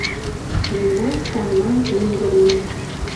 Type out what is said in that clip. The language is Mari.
Мемнан таҥна мӱндырнӧ -